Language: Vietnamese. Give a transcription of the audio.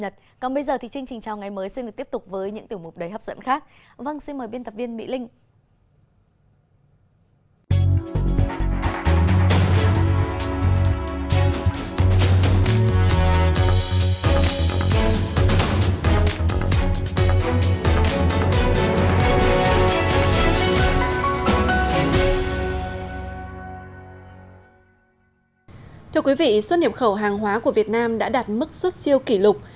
thưa quý vị xuất hiệp khẩu hàng hóa của việt nam đã đạt mức xuất siêu kỷ lục